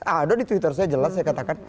ada di twitter saya jelas saya katakan